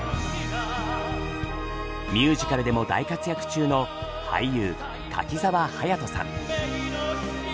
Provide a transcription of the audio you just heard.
ミュージカルでも大活躍中の俳優柿澤勇人さん。